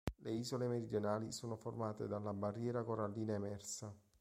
Le isole meridionali sono formate dalla barriera corallina emersa.